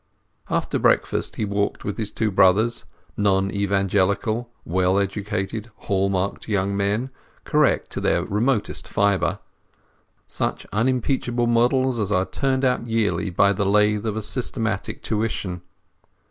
After breakfast he walked with his two brothers, non evangelical, well educated, hall marked young men, correct to their remotest fibre, such unimpeachable models as are turned out yearly by the lathe of a systematic tuition.